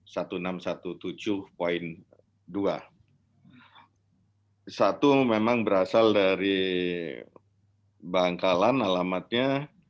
satu memang berasal dari bangkalan alamatnya